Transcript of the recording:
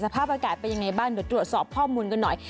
สภาพอากาศไปยังไงบ้างตรวจสอบข้อมูลกันหน่อย